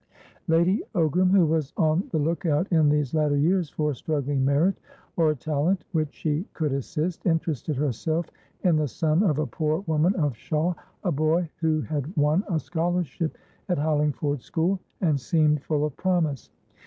Lady Ogram, who was on the lookout in these latter years for struggling merit or talent which she could assist, interested herself in the son of a poor woman of Shawe, a boy who had won a scholarship at Hollingford School, and seemed full of promise.